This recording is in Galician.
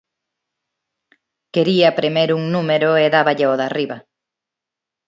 Quería premer un número e dáballe ao de arriba.